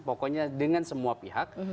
pokoknya dengan semua pihak